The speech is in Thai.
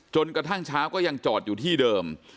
จนกระทั่งเช้าก็ยังจอดอยู่ที่เดิม